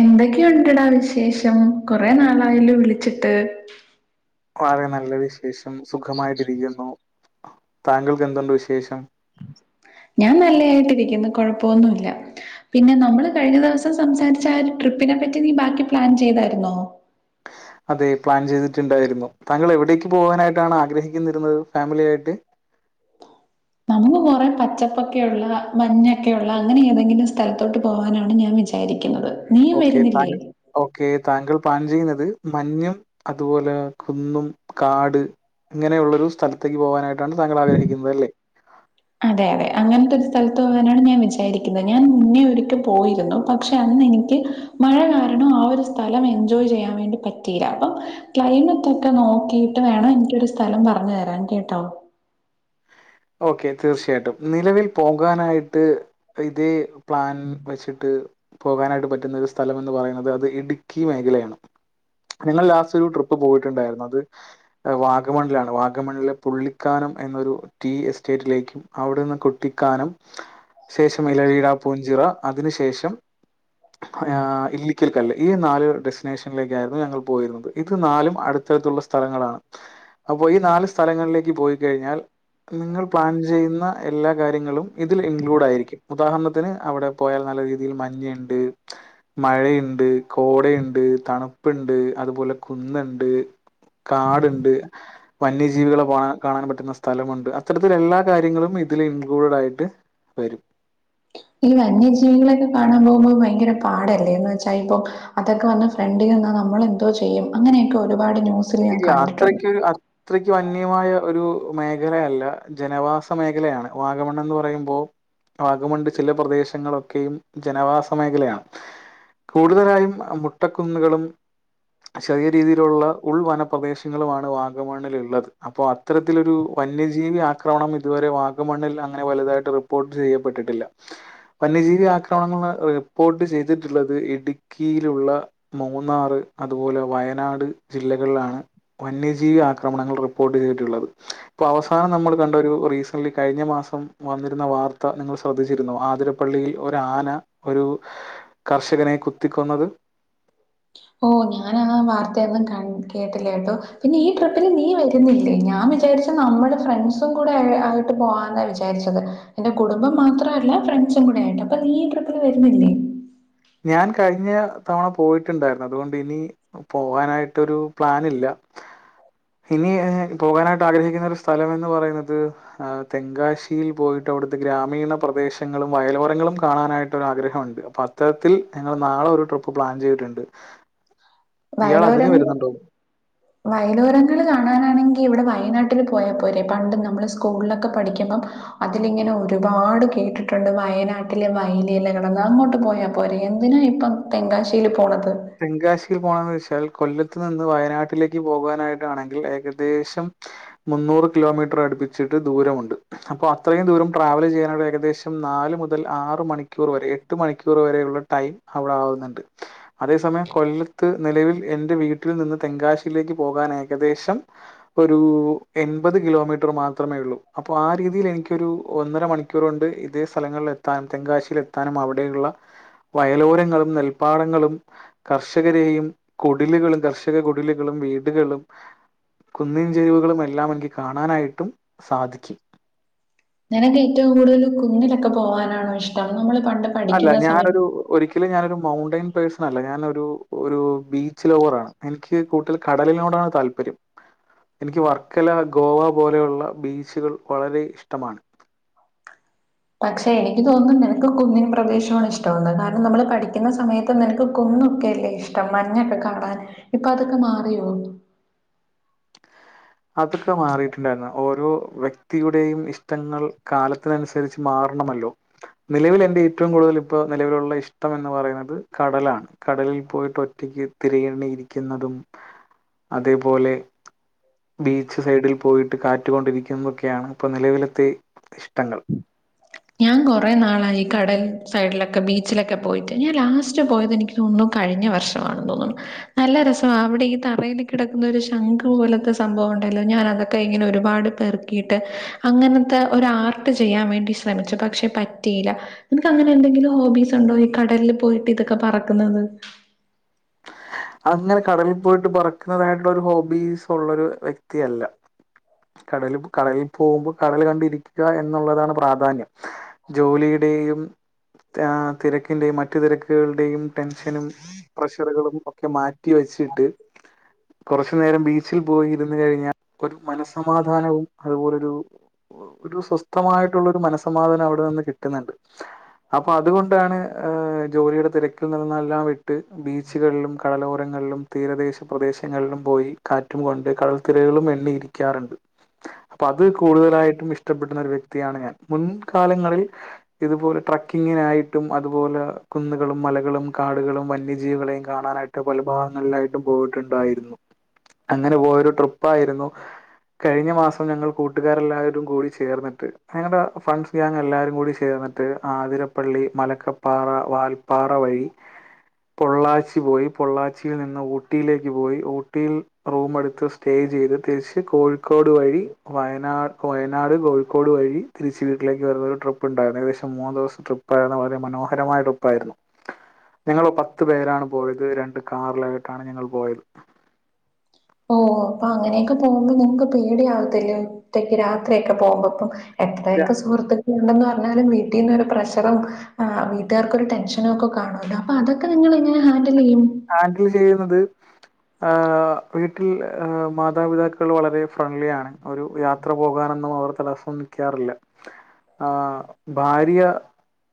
എന്തൊക്കെയുണ്ടടാ വിശേഷം ഉം കൊറെേ നാളായല്ലോ വിളിച്ചിട്ട് വളരെ നല്ല വിശേഷം സുഖമായിട്ടിരിക്കുന്നു താങ്കൾക്ക് എന്തുണ്ട് വിശേഷം ഞാൻ നല്ലയായിട്ടിരിക്കുന്ന് കൊഴപ്പവൊന്നു വില്ല പിന്നെ നമ്മള് കഴിഞ്ഞ ദിവസം സംസാരിച്ച ആ ട്രിപ്പിനെ പറ്റി നീ ബാക്കി പ്ലാൻ ചെയ്താരുന്നോ അതെ പ്ലാൻ ചെയ്തിട്ടുണ്ടായിരുന്നു താങ്കൾ എവിടേക്ക് പോകാനായിട്ടാണ് ആഗ്രഹിക്കുന്നിരുന്നത് ഫാമിലി ആയിട്ട് നമുക്ക് കുറേ പച്ചപ്പൊക്കെയുള്ള മഞ്ഞൊക്കെയുള്ള അങ്ങനെ ഏതെങ്കിലും സ്ഥലത്തോട്ട് പോവാനാണ് ഞാൻ വിചാരിക്കുന്നത് നീയും ഓക്കെ വരുന്നില്ലേ താങ്ക ഓക്കെ താങ്കൾ പ്ലാൻ ചെയ്യുന്നത് മഞ്ഞും അതുപോലെ കുന്നും കാട് ഇങ്ങനെയുള്ളൊരു സ്ഥലത്തേക്ക് പോകാനായിട്ടാണ് താങ്കൾ ആഗ്രഹിക്കുന്നത് അല്ലേ അതെ അതെ, അങ്ങനത്തെ ഒരു സ്ഥലത്ത് പോകാനാണ് ഞാൻ വിചാരിക്കുന്നെ ഞാൻ മുന്നേ ഒരിക്ക പോയിരുന്നു. പക്ഷെ അന്നെനിക്ക് മഴ കാരണം ആ ഒരു സ്ഥലം എൻജോയ് ചെയ്യാൻ വേണ്ടി പറ്റിയില്ല അപ്പം ക്ലൈമറ്റ് ഒക്കെ നോക്കിയിട്ട് വേണം എനിക്കൊരു സ്ഥലം പറഞ്ഞു തരാൻ കേട്ടോ ഓക്കെ തീർച്ചയായിട്ടും നിലവിൽ പോകാനായിട്ട് ഇതേ പ്ലാൻ വെച്ചിട്ട് പോകാനായിട്ട് പറ്റുന്ന ഒരു സ്ഥലം എന്ന് പറയുന്നത് അത് ഇടുക്കി മേഖലയാണ്. ഞങ്ങൾ ലാസ്റ്റ് ഒരുടിപ്പ് പോയിട് [unintelligible] [unintelligible] ണ്ടായിരുന്നു അത് [unintelligible] വാഗമണ്ലാണ് വാഗമണില് [inaudible] പുള്ളിക്കാനം എന്നൊരു [inaudible] ടീ എസ്റ്റേറ്റിലേക്കും അവിടുന്ന് കുട്ടിക്കാനം [inaudible] ശേഷം ഇലവീഴാ പൂഞ്ചിറ. അതിനു ശേഷം ആഹ് ഇല്ലിക്കൽ. കല്ല് ഈ നാല് ഡെസ്റ്റിനേഷനിലേക്കാ യിരുന്നു ഞങ്ങൾ പോയിരുന്നത് ഇത് നാലും അടുത്തടുത്തുള്ള സ്ഥലങ്ങളാണ്. അപ്പൊ ഈ നാല് സ്ഥലങ്ങളിലേക്ക് പോയ്‌ [inaudible] കഴിഞ്ഞാൽ നിങ്ങൾ പ്ലാൻ ചെയ്യുന്ന എല്ലാ കാര്യങ്ങളും ഇതിൽ ഇൻക്ലൂഡായിരിക്കും ഉദാഹരണത്തിന് അവിടെ പോയാൽ നല്ല രീതിയിൽ മഞ്ഞ്ണ്ട് മഴയ്ണ്ട് കോടയ്ണ്ട് തണു [inaudible] പ്പ്‌ണ്ട് അതുപോലെ കുന്ന്ണ്ട് കാട്ണ്ട് വന്യജീവികളെ പോ കാണാൻ പറ്റുന്ന സ്ഥലമുണ്ട് അത്തരത്തില് എല്ലാ കാര്യങ്ങളും ഇതില് ഇൻക്ലൂഡ് ആയിട്ട് വരും. ഈ വന്യജീവികളൊക്കെ കാണാൻ പോകുമ്പോ ഭയങ്കര പാടല്ലേ എന്ന് വെച്ചാൽ ഇപ്പം അതൊക്കെ വന്ന് ഫ്രണ്ടിൽ നിന്നാൽ നമ്മൾ എന്തോ ചെയ്യും അങ്ങനെയൊക്കെ ഒരു ഇല്ല അത്രയ്ക്ക് അത്രയ്ക്കും അന്യമായ ഒരു [unintelligible] മേഖലയല്ല ജനവാസ മേഖലയാണ്. വാഗമണ്ണ് എന്ന് പറയുമ്പോ വാഗമണ്ണ്ന്റെ ചില പ്രദേശങ്ങളൊക്കെയും ജനവാസ മേഖലയാണ് കൂടുതലായും മൊട്ടക്കുന്നുകളും ചെറിയ രീതിയിലുള്ള ഉൾ വനപ്രദേശങ്ങളുമാണ് വാഗമണ്ണിൽ ഉള്ളത് അപ്പോ അത്തരത്തിലൊരു വന്യജീവി ആക്രമണം ഇതുവരെ വാഗമണ്ണിൽ അങ്ങനെ വലുതായിട്ട് റിപ്പോർട്ട് ചെയ്യപ്പെട്ടിട്ടില്ല. വന്യജീവി ആക്രമണങ്ങൾന്നാ ഒരു റിപ്പോർട്ട് ചെയ്തിട്ടുള്ളത് ഇടുക്കിയിലുള്ള മൂന്നാറ് അതുപോലെ വയനാട് ജില്ലകളിലാണ് വന്യജീവി ആക്രമണങ്ങൾ റിപ്പോർട്ട് ചെയ്തിട്ടള്ളത്. ഇപ്പൊ അവസാനം നമ്മൾ കണ്ടരു റീസ ള്ളി കഴിഞ്ഞ മാസം വന്നിരുന്ന വാർത്ത നിങ്ങൾ ശ്രദ്ധിച്ചിരുന്നു ആതിരപ്പള്ളിയിൽ ഒരു ആന ഒരു കർഷകനെ കുത്തിക്കൊന്നത്. [inaudible] ഓ ഞാൻ ആ വാർത്തയന്നും ക കേട്ടില്ല കേട്ടോ പിന്നെ ഈ ട്രിപ്പിൽ നീ വരുന്നില്ലേ ഞാൻ വിചാരിച്ചു നമ്മുടെ ഫ്രണ്ട്സും കൂടെ ആയിട്ട് പോവാന്നാ വിചാരിച്ചത് എന്റെ കുടുംബം മാത്രല്ല ഫ്രണ്ട്സും കൂടെ ആയിട്ട് അപ്പൊ നീ ഈ ട്രിപ്പിൽ വരുന്നില്ലേ [inaudible] ഞാൻ കഴിഞ്ഞെ ണ പോയിട്ടുണ്ടായിരുന്നു അതുകൊണ്ട് ഇനി പോകാനായിട്ടൊരു പ്ലാനില്ല ഇനി ഹേ പോകാനായി ഗ്രഹിക്കുന്ന ഒരു സ്ഥലം എന്ന് പറയുന്നത് ഹേ തെങ്കാശി യിൽ പോയിട്ട് അവിടുത്തെ ഗ്രാമീണ പ്രദേശങ്ങളും വയലോരങ്ങളും കാണാനായിട്ട് ഒരു ആഗ്രഹമുണ്ട് അപ്പോ ഇത്തരത്തിൽ ഞങ്ങൾ നാളെ ഒരു ട്രിപ്പ് പ്ലാൻ ചെയ്തിട്ണ്ട് വയലോരങ്ങ വയലോരങ്ങള് കാണാനാണെങ്കി ഇവിടെ വയനാട്ടിൽ പോയാപ്പോരെ പണ്ട് നമ്മള് സ്കൂളിലൊക്കെ പഠിക്കുമ്പം അതിലിങ്ങനെ ഒരുപാട് കേട്ടിട്ടുണ്ട് വയനാട്ടില് വയലയില അങ്ങോട്ട് പോയാ പോരെ എന്തിനാ ഇപ്പം തെങ്കാശിയിൽ പോണ തെങ്കാശി [unintelligible] ൽ കൊല്ലത്ത് നിന്ന് വയനാട്ടിലേക്ക് പോകാനായിട്ടാണെങ്കിൽ ഏകദേശം മുന്നൂറ് കിലോമീറ്റർ അടുപ്പിച്ചിട്ട് ദൂരമുണ്ട് അപ്പൊ അത്രയും ദൂരം ട്രാവല് ചെയ്യാന് ഏകദേശം നാല് മുതൽ ആറ് മണിക്കൂർ വരെ എട്ട് മണിക്കൂർ വരെയുള്ള ടൈം അവിടെ ആവുന്നുണ്ട് അതേ സമയം കൊല്ലത്ത് നിലവിൽ എന്റെ വീട്ടിൽ നിന്ന് തെങ്കാശിയിലേക്ക് പോകാൻ ഏകദേശം ഒരു എൺപത് കിലോമീറ്റർ മാത്രമേ ഒള്ളൂ അപ്പൊ ആ രീതിയില് എനിക്കൊരു ഒന്നര മണിക്കൂറ് കൊണ്ട് ഇതേ സ്ഥലങ്ങളിൽ എത്താനും തെങ്കാശിയിൽ എത്താനും അവിടെയുള്ള വയലോരങ്ങളും നെൽപ്പാടങ്ങളും കർഷകരെയും കുടിലുകളും കർഷക കുടിലുകളും വീടുകളും കുന്നിൻചെരുവുകളും എല്ലാം എനിക്ക് കാണാനായിട്ടും സാധിക്കും. നിനക്ക് ഏറ്റവും കൂടുതല് കുന്നിലൊക്കെ പോകാനാണോ ഇഷ്ടം നമ്മള് പണ്ട് അല്ല പഠിക്കുന്ന സമയത്ത് ഞാനൊരു ഒരിക്കലും ഞാനൊരു മൗണ്ടെൻ പേഴ്സൺ അല്ല ഞാനൊരു ബീച്ച് ലൗവറാണ് എനിക്ക് കൂട്ടൽ കടലിനോടാണ് താല്പര്യം എനിക്ക് വർക്കല ഗോവ പോലെയുള്ള ബീച്ചുകൾ വളരെ ഇഷ്ടമാണ് പക്ഷെ എനിക്ക് തോന്നും നിനക്ക് കുന്നിൻ പ്രദേശമാണ് ഇഷ്ടാവുന്നത് കാരണം നമ്മള് പഠിക്കുന്ന സമയത്ത് നിനക്ക് കുന്നൊക്കെ അല്ലേ ഇഷ്ടം മഞ്ഞൊക്കെ കാണാൻ ഇപ്പൊ അതൊക്കെ മാറിയോ അതൊക്കെ മാറിയിട്ടുണ്ടായിരുന്നു ഓരോ വ്യക്തിയുടെയും ഇഷ്ടങ്ങൾ കാലത്തിനനുസരിച്ച് മാറണമല്ലോ നിലവിൽ എന്റെ ഏറ്റവും കൂടുതലും ഇപ്പോ നിലവിലുള്ള ഇഷ്ടം എന്ന് പറയുന്നത് കടലാണ് കടലിൽ പോയിട്ട് ഒറ്റക്ക് തിരകെണിയിരിക്കുന്നതും അതേപോലെ ബീച്ച് സൈഡിൽ പോയിട്ട് കാറ്റു കൊണ്ടിരിക്കുതൊക്കെയാണ് ഇപ്പൊ നിലവിലത്തെ ഇഷ്ടങ്ങൾ ഞാൻ കുറെ നാളായി ഈ കടൽ സൈഡിലൊക്കെ ബീച്ചിലൊക്കെ പോയിട്ട് ഞാൻ ലാസ്റ്റ് പോയത് എനിക്ക് തോന്നുന്നു കഴിഞ്ഞ വർഷമാണെന്ന് തോന്നുന്നു നല്ല രസമാ അവിടെ ഈ തറേല് കിടക്കുന്ന ഒരു ശംഖ് പോലത്തെ സംഭവം ഉണ്ടല്ലോ ഞാൻ അതൊക്കെ ഇങ്ങനെ ഒരുപാട് പെറുക്കിട്ട് അങ്ങനത്തെ ഒരു ആർട്ട് ചെയ്യാൻ വേണ്ടി ശ്രമിചു പക്ഷെ പറ്റിയില്ല നിനക്ക് അങ്ങനെ എന്തെങ്കിലും ഹോബീസ് ഉണ്ടോ ഈ കടലിൽ പോയിട്ട് ഇതൊക്കെ പറക്കുന്നത് അങ്ങനെ കടലിൽ പോയിട്ട് പറുക്കുന്നതായിട്ടുള്ള ഒരു ഹോബീസ് ഉള്ളോരു വ്യക്തിയല്ല കടല് കടലിൽ പോകുമ്പോ കടല് കണ്ടിരിക്കാ എന്നുള്ളതാണ് പ്രാധാന്യം ജോലിയ്ടെയും ആ തിരക്കിന്റെയും മറ്റു തിരക്കുകള്ടെയും ടെൻഷനും പ്രഷറുകളും ക്കെ മാറ്റി വെച്ചിട്ട് കുറച്ച് നേരം ബീച്ചിൽ പോയി ഇരുന്നു കഴിഞ്ഞാ ഒരു മനസ്സമാധാനവും അതുപോലൊരു ഒരു സ്വസ്ഥമായിട്ടുള്ളോരു മനസമാധാനം അവിടെ നിന്ന് കിട്ടുന്ന്ണ്ട് അപ്പൊ അതുകൊണ്ടാണ് ജോലിയുടെ തിരക്കിൽ നിന്നെല്ലാം ട്ട് ബീച്ചുകളിൾ യോരങ്ങളിലും തീരദേശ പ്രദേശങ്ങളിലും പോയി കാറ്റും കൊണ്ട് കടൽത്തിരകളും എണ്ണിയിരിക്കാറുണ്ട് അപ്പൊ അത് കൂടുതലായിട്ടും ഇഷ്ടപ്പെടുന്ന ഒരു വത്തിയാണ് ഞാൻ മുൻകാലങ്ങളിൽ ഇതുപോലെ ട്രക്കിങ്ങിനായിട്ടും അതുപോലെ കുന്നുകളും മലകളും കാടുകളും വന്യജീവികളെയും കാണാനായിട്ടും മറ്റ പല ഭാഗങ്ങളിലായിട്ടും പോയിട്ടുണ്ടായിരുന്നു അങ്ങനെ പോയൊരു ട്രിപ്പ ആയിരുന്നു കഴിഞ്ഞ മാസം ഞങ്ങൾ കൂട്ടുകർെല്ലാരും കൂടി ചേർന്നിട്ട് ഞങ്ങളുടെ ഫ്രണ്ട്സ് ഞാങ്ങ എല്ലാരും കൂടി ചേർന്നിട്ട് ആതിരപ്പള്ളി മലക്കപ്പാറ വാൽപാറ വഴി പൊള്ളാച്ചി പോയി കൊള്ളാച്ചിയിൽ നിന്ന് ഊട്ടിയിലേക്ക് പോയി ഊട്ടിയിൽ റൂം എടുത്ത് സ്റ്റേ ചെയ്ത് തിരിച്ച് കോഴിക്കോട് വഴി വയനാട് വയനാട് കോഴിക്കോട് വഴി തിരിച്ച് വീട്ടിലേക്ക് വരുന്നരു ട്രിപ്പ് ഉണ്ടായിരുന്നു ഏകദേശം മൂന്ന് ദിവസം ട്രിപ്പ് ഉണ്ടായിരുന്നു വളരെ മനോഹരമായ ട്രിപ്പ് ആയിരുന്നു ഞങ്ങ പത്ത് പേരാണ് പോയത് രണ്ട് കാറിലായിട്ടാണ് ഞങ്ങൾ പോയത് ഓ അപ്പൊ അങ്ങനെയൊക്കെ പോകുമ്പോ നിങ്ങക്ക് പേടിയവത്തില്ലേ ഒറ്റക്ക് രാത്രിയൊക്കെ പോകുമ്പോപ്പം ഇത് എത്രയൊക്കെ സുഹൃത്ത് െന്ന് പറഞ്ഞാലും വീട്ടീന്നൊരു പ്രഷറും വീട്ടുകാർക്ക്രു ടെൻഷനും ഒക്കെ കാണോ അപ്പോ അതൊക്കെ നിങ്ങങ്ങനെഹാൻ ആങ്കിൽ ചെയ്യുന്നത് ആ വീട്ടിൽ മാതാപിതാക്കൾ വളരെ ഫ്രണ്ട്ലിാണ് ഒരു യാത്ര പോകാനൊന്നും അവർ തടസ്സം നൽക്കാറില്ല ആ ഭാര്യ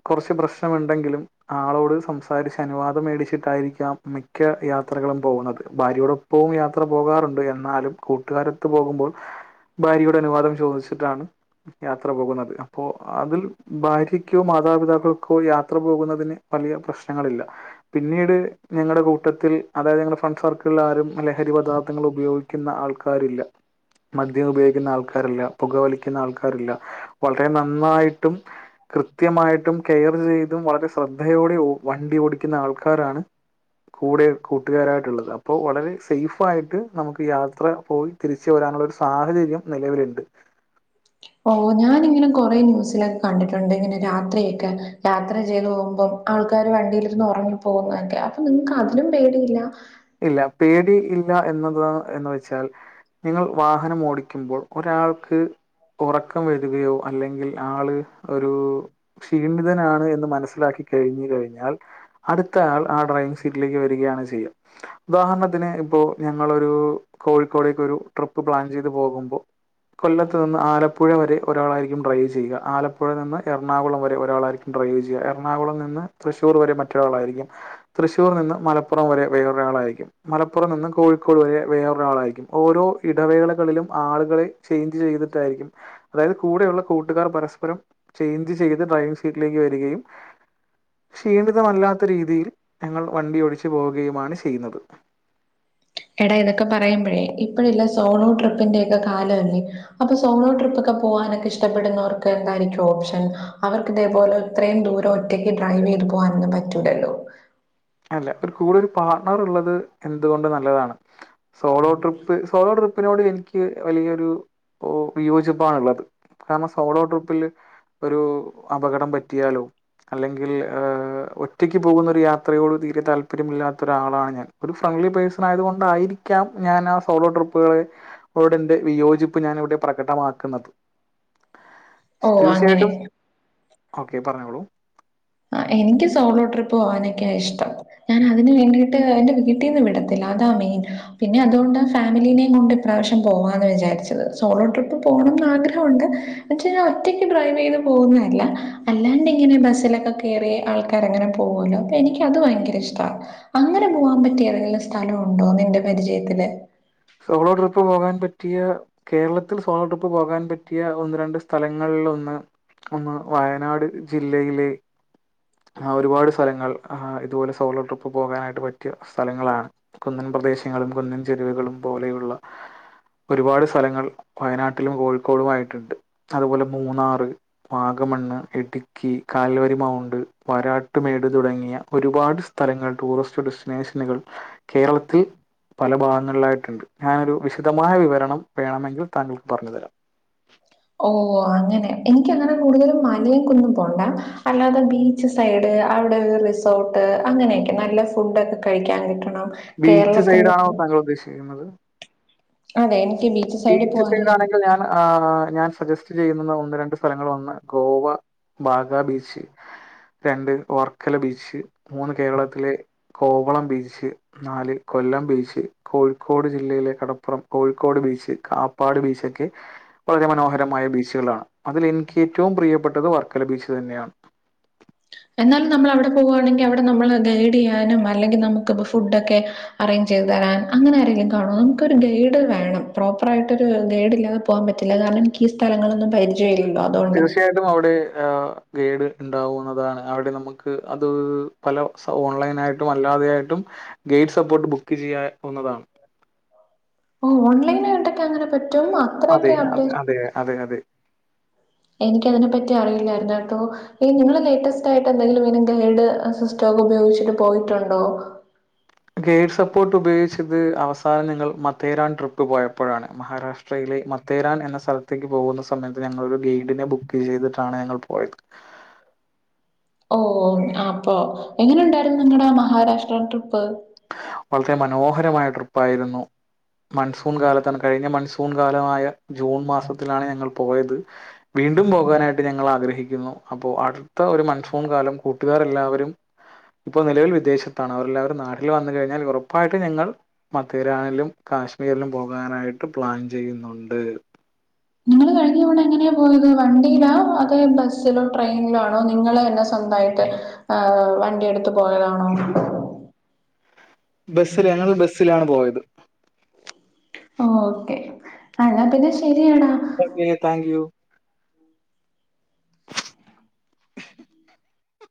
കുറച്ച് പ്രശ്നമുണ്ടെങ്കിലും ആളോട് സംസാരിച്ച് അനുവാദം മേടിച്ചിട്ടായിരിക്കാം മിക്ക യാത്രകളും പോകുന്നത് ഭാര്യയോടൊപ്പവും യാത്ര പോകാറുണ്ട് എന്നാലും കൂട്ടുകാരത്ത് പോകുമ്പോൾ ഭാര്യയുടെ അനുവാദം ചോദിച്ചിട്ടാണ് യാത്ര പോകുന്നത് അപ്പോൊ അതിൽ ഭാര്യക്കോ മാതാപിതാക്കൾക്കോ യാത്ര പോകുന്നതിന് വലിയ പ്രശ്നങ്ങളില്ല പിന്നീട് ഞങ്ങളുടെ കൂട്ടത്തിൽ അതായത് ഞങ്ങളുടെ ഫ്രണ്ട് സർക്കിളിൽ ആരും ലഹരി പദാർത്ഥങ്ങൾ ഉപയോഗിക്കുന്ന ആൾക്കാരില്ല മദ്യം ഉപയോഗിക്കുന്ന ആൾക്കാരല്ല പുകവലിക്കുന്ന ആൾക്കാരില്ല വളരെ നന്നായിട്ടും കൃത്യമായിട്ടും കെയർ ചെയ്തും വളരെ ശ്രദ്ധയോടെ വണ്ടി ഓടിക്കുന്ന ആൾക്കാരാണ് കൂടെ കൂട്ടുകാരായിട്ടുള്ളത് അപ്പോൾ വളരെ സേഫ് ആയിട്ട് നമുക്ക് യാത്ര പോയി തിരിച്ച് വരാനുള്ള ഒരു സാഹചര്യം നിലവിലുണ്ട് ഓ ഞാനിങ്ങനെ കൊറെേ ന്യൂസിലൊക്കെ കണ്ടിട്ടുണ്ട് ഇങ്ങനെ രാത്രിയൊക്കെ യാത്ര ചെയ്ത് പോകുമ്പം ആൾക്കാാര് വണ്ടിയിലിന്ന് ഉറങ്ങി പോകുന്നൊക്കെ അപ്പൊ നിങ്ങക്ക് അതിലും പേടിയില്ല ഇല്ല പേടി ഇല്ല എന്നത് എന്നന്ന് വെച്ചാൽ നിങ്ങൾ വാഹനം ഓടിക്കുമ്പോൾ ഒരാൾക്ക് ഉറക്കം വരികയോ അല്ലെങ്കിൽ ആള് ഒരു ക്ഷീണിതനാണ് എന്ന് മനസ്സ് ലാക്കി കഴിഞ്ഞ് കഴിഞ്ഞാൽ അടുത്ത ആൾ ആ ഡ്രൈവിങ് സീറ്റിലേക്ക് വരികയാണ് ചെയ്യാ ഉദാഹരണത്തിന് ഇപ്പോ ഞാൻ ഞങ്ങളൊരു കോഴിക്കോടേക്ക് ഒരു ട്രിപ്പ് പ്ലാൻ ചെയ്ത് പോകുമ്പോൾ കൊല്ലത്ത് നിന്ന് ആലപ്പുഴ വരെ ഒരാളായിരിക്കും ഡ്രൈവ് ചെയ്യുക ആലപ്പുഴ നിന്ന് എറണാകുളം വരെ ഒരാളായിരിക്കും ഡ്രൈവ് ചെയ്യുക എറണാകുളം നിന്ന് തൃശൂർ വരെ മറ്റൊരാളായിരിക്കും തൃശൂർ നിന്ന് മലപ്പുറം വരെ വേറൊരാളായിരിക്കും മലപ്പുറം നിന്നും കോഴിക്കോട് വരെ വേറൊരാളായിരിക്കും ഓരോ ഇടവേളകളിലും ആളുകളെ ചേഞ്ച് ചെയ്തിട്ടായിരിക്കും അതായത് കൂടെയുള്ള കൂട്ടുകാർ പരസ്പരം ചേഞ്ച് ചെയ്ത് ഡ്രൈവിംഗ് സീറ്റിലേക്ക് വരികയും ക്ഷീണിതമല്ലാത്ത രീതിയിൽ ഞങ്ങൾ വണ്ടി ഓടിച്ച് പോകുക യുമാണ് ചെയ്യുന്നത് എടാ ഇതൊക്കെ പറയുമ്പോഴേ ഇപ്പഴല്ല സോണോ ട്രിപ്പിന്റെ ഒക്കെ കാലമല്ലേ അപ്പൊ സോണോ ട്രിപ്പ ഒക്കെ പോവാനൊക്കെ ഇഷ്ടപ്പെടുന്നവർക്ക് എന്തായിരിക്കും ഓപ്ഷൻ അവർക്ക് ഇതേപോലെ ഇത്രയും ദൂരം ഒറ്റയ്ക്ക് ഡ്രൈവ് ചെയ്ത് പോകാനൊന്നും പറ്റൂലല്ലോ അല്ല ഒരു കൂടെ ഒരു പാട്ണർ ഉള്ളത് എന്തുകൊണ്ട് നല്ലതാണ് സോളോ ട്രിപ്പ് സോളോട്രി പ്പിനോട്‌ എനിക്ക് വലിയരു വിയോജിപ്പണുള്ളത് കാരണം സോളോ ട്രിപ്പിൽ ഒരു അപകടം പറ്റിയാലോ അല്ലെങ്കിൽ ഒറ്റക്ക് പോകുന്ന യാത്ര ത്രയോട തീരെ താല്പര്യമില്ലാത്ത ഒരാളാണ് ഞാൻ ഒരു ഫ്രണ്ട്ലി പേഴ്സൺ ആയതുക കൊണ്ടായിരിക്കാം ഞാൻ ആ സോളോ ട്രിപ്പുകളെോട്റെ വിയോജിപ്പ് ഞാൻ ഇവിടെ പ്രകടമാക്കുന്നത് ഓ അങ്ങനെ ഓക്കേ പറഞ്ഞോളൂ ആ എനിക്ക് സോളോ ട്രിപ്പ് പോകാനൊക്കെയ ഇഷ്ടം ഞാൻ അതിന് വേണ്ടിട്ട് എന്റെ വീട്ടിൽന്ന് വിടത്തില്ല അതാ മെയിൻ പിന്നെ അതുകൊണ്ടാണ് ഫാമിലീനിം കൊണ്ട് ഇപ്രാവശ്യം പോവാന്ന് വിചാരിച്ചത് സോളോ ട്രിപ്പ് പോകണം ആഗ്രഹമുണ്ട് പക്ഷ ഞാൻ ഒറ്റയ്ക്ക് ഡ്രൈവ് ചെയ്ത് പോകുന്നതല്ല അല്ലാണ്ട് ഇങ്ങനെ ബസ്സിലൊക്കെ കേറി ആൾക്കാര അങ്ങനെ പോകുമല്ലോ അപ്പൊ എനിക്ക് അത് ഭയങ്കര ഇഷ്ട അങ്ങനെ പോകാൻ പറ്റിയുള്ള ഏതെങ്കിലും സ്ഥലംണ്ടോ നിന്റെ പരിചയത്തില് സോളോ ട്രിപ്പ് പോകാൻ പറ്റും പറ്റിയ കേരളത്തിൽ സോളോ ട്രിപ്പ് പോകാൻ പറ്റിയ ഒന്ന് രണ്ട് സ്ഥലങ്ങളിൽന്ന് ഒന്ന് വയനാട് ജില്ലയിലെ ഒരുപാട് സ്ഥലങ്ങൾ ഇതുപോലെ സോളോ ട്രിപ്പ് പോകാനായിട്ട് പറ്റിയ സ്ഥലങ്ങളാണ് കുന്നിൻ പ്രദേശങ്ങളും കുന്നിൻ ചെരുവുകളും പോലെയുള്ള ഒരുപാട് സ്ഥലങ്ങൾ വയനാട്ടിലും കോഴിക്കോടുും ആയിട്ടുണ്ട് അതുപോലെ മൂന്നാറ് വാഗമണ്ണ് ഇടുക്കി കാൽവരി മൗണ്ട് വരാട്ട് മേട് തുടങ്ങിയ ഒരുപാട് സ്ഥലങ്ങൾ ടൂറിസ്റ്റ് ഡെസ്റ്റിനേഷനുകൾ കേരളത്തിൽ പല ഭാഗങ്ങളിലാ ട്ട്ണ്ട് ഞാനൊരു വിശദമായ വിവരണം വേണമെങ്കിൽ താങ്ങൾക്ക് പറഞ്ഞു തരാം ഓ അങ്ങനെ എനിക്കങ്ങനെ കൂടുതലും മലയും കുന്നും പോണ്ട അല്ലാതെ ബീച്ച് സൈഡ് അവിടെ റിസോർട്ട് അങ്ങനെയൊക്കെ നല്ല ഫുഡൊക്കെ കഴിക്കാൻ കിട്ടും ബീച്ച് സൈഡ് ആണോ താങ്കൾ ഉദ്ദേശിക്കുന്നത് അതെ സൈഡിൽ ബീച്ച് പോവാനാ ഇഷ്ടം. സൈഡാങ്കിൽ ഞാൻ ആ ഞാൻ സജസ്റ്റ് ചെയ്യുന്ന ഒന്ന് രണ്ട് സ്ഥലങ്ങൾ വന്ന് ഗോവ ബാഗ ബീച്ച് രണ്ട് വർക്കല ബീച്ച് മൂന്ന് കേരളത്തിലെ കോവളം ബീച്ച് നാല് കൊല്ലം ബീച്ച് കോഴിക്കോട് ജില്ലയിലെ കടപ്പുറം കോഴിക്കോട് ബീച്ച് കാപ്പാട് ബീച്ചൊക്കെ വളരെ മനോഹരമായ ബീച്ചുകളാണ് അതിൽ എനിക്ക് ഏറ്റവും പ്രിയപ്പെട്ടത് വർക്കല ബീച്ച് തന്നെയാണ് എന്നാലും നമ്മളവിടെ പോവുകുയാണെങ്കിൽ അവിടെ നമ്മള് ഗൈഡ് ചെയ്യാനും അല്ലെങ്കിൽ നമുക്ക് ഫുഡൊക്കെ അറേഞ്ച് ചെയ്ത് തരാനും അങ്ങനെ ആരെങ്കിലും കാണോ നമുക്കൊരു ഗൈഡ് വേണം പ്രോപ്പർ ആയിട്ടൊര് ഗൈഡ്ല്ലാതെ പോകാൻ പറ്റില്ല കാരണം എനിക്കീ സ്ഥലങ്ങളൊന്നും പരിചയല്ലല്ലോ തീർച്ചയായിട്ടും അവിടെ ആ ഗൈഡ് ണ്ടാവുന്നതാണ്. അവിടെ നമുക്ക് അത് പല ഓൺലൈൻ ആയിട്ടും അല്ലാതെ ആയിട്ടും ഗൈഡ് സപ്പോർട്ട് ബുക്ക് ചെയ്യാവുന്നതാണ്. ഓ ഓൺലൈൻ ആയിട്ടൊക്കെ അങ്ങനെ പറ്റ് അതെ അത അതെ അതെ അതെ എനിക്ക് അതിനെ പറ്റി അറിയില്ലായിര്ന്ന് കേട്ടോ ഈ നിങ്ങള് ലേറ്റസ്റ്റ് ആയിട്ട് എന്തെങ്കിലും ഇതിന്റെ ഗൈഡ് സിസ്റ്റോക്കെ ഉപയോഗിച്ചിട്ട് പോയിട്ട്ണ്ടോ ഗെയ്ഡ് സപ്പോർട്ട് ഉപയോഗിച്ച് ത് അവസാനം ഞങ്ങൾ മത്തേറാൻ ട്രിപ്പ് പോയപ്പോഴാണ് മഹാരാഷ്ട്രയിലെ മത്തേരാൻ എന്ന സ്ഥലത്തേക്ക് പോകുന്ന സമയത്ത് ഞങ്ങളൊരു ഗൈഡിനെ ബുക്ക് ചെയ്തിട്ടാണ് ഞങ്ങൾ പോയത് ഓ അപ്പൊ എങ്ങനെ ഉണ്ടായിരുന്നു നിങ്ങടെ മഹാരാഷ്ട്ര ട്രിപ്പ് വളരെ മനോഹരമായ ട്രിപ്പായിരുന്നു മൺസൂൺ കാലത്താണ് കഴിഞ്ഞ മൺസൂ സൂൺകാലമായ ജൂൺ മാസത്തിലാണ് ഞങ്ങൾ പോയത് വീണ്ടും പോകാനായിട്ട് ഞങ്ങൾ ആഗ്രഹി ക്കുന്നു അപ്പൊ അടുത്ത ഒരു മൺസൂൺ കാലം കൂട്ടുകാർ എല്ലാവരും ഇപ്പോ നിലവിൽ വിദേശത്താണ് അവരെല്ലാവരും ൽ വന്ന് കഴിഞ്ഞാൽ ഉറപ്പായിട്ട് ഞങ്ങൾ മത്തേരാലും കാശ്മീരിലും പോകാനായിട്ട് പ്ലാൻ ചെയ്യുന്നുണ്ട്. നിങ്ങള് കഴിഞ്ഞ തവണ എങ്ങനെയാ പോയത് വണ്ടിയിലാ അതോ ബസ്സിലോ ട്രെയിനിലോ ആണോ നിങ്ങളെന്നെ സ്വന്തമായിട്ട് ഏ വണ്ടി എട്ത്ത് പോയതാണോ ബസ്സില് ഞങ്ങൾ ബസ്സിലാണ് പോയത് ഓക്കെ എന്നാ പിന്നെ ശരിയാടാ ഓക്കെ താങ്ക് യു